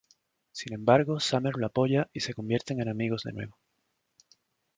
Sin embargo Summer lo apoya y se convierten en amigos de nuevo.